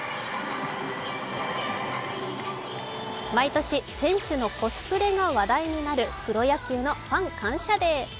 毎年、選手のコスプレが話題になるプロ野球のファン感謝デー。